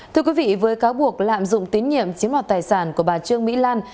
thưa quý vị với cáo buộc lạm dụng tín nhiệm chiếm mọt tài sản của bà trương mỹ lan